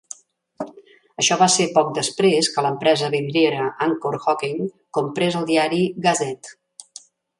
Això va ser poc després que l'empresa vidriera Anchor-Hocking comprés el diari "Gazette".